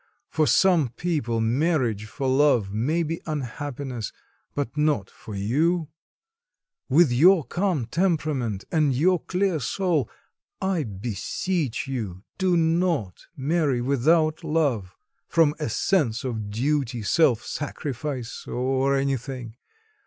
For some people marriage for love may be unhappiness; but not for you, with your calm temperament, and your clear soul; I beseech you, do not marry without love, from a sense of duty, self sacrifice, or anything....